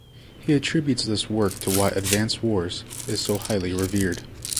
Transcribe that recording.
He attributes this work to why "Advance Wars" is so highly revered.